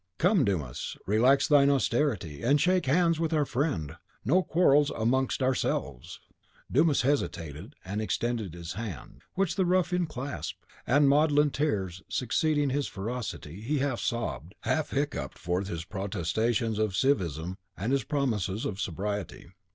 Come, Dumas relax thine austerity, and shake hands with our friend. No quarrels amongst ourselves!" Dumas hesitated, and extended his hand, which the ruffian clasped; and, maudlin tears succeeding his ferocity, he half sobbed, half hiccoughed forth his protestations of civism and his promises of sobriety.